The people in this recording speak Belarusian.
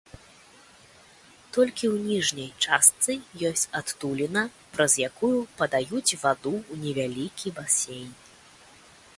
Толькі ў ніжняй частцы ёсць адтуліна, праз якую падаюць ваду ў невялікі басейн.